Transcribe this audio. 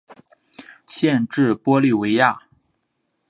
县治玻利维亚。